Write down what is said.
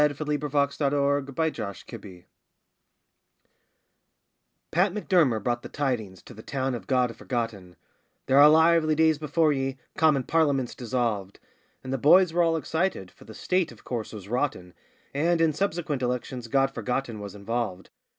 THE GOD FORGOTTEN ELECTION Pat M'Durmer brought the tidings to the town of God Forgotten: 'There are lively days before ye commin Parlymint's dissolved!' And the boys were all excited, for the State, of course, was 'rotten,' And, in subsequent elections, God Forgotten was involved.